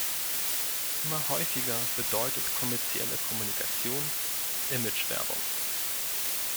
Immer häufiger bedeutet kommerzielle Kommunikation Imagewerbung.